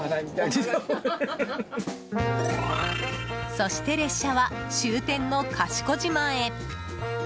そして列車は終点の賢島へ。